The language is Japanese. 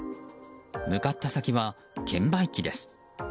向かった先は券売機です。